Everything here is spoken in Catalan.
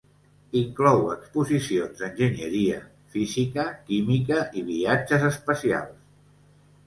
Inclou exposicions d"enginyeria, física, química i viatges espacials.